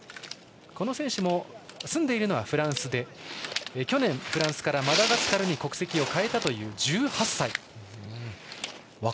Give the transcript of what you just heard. この選手も住んでいるのはフランスで去年、フランスからマダガスカルに国籍を変えた１８歳。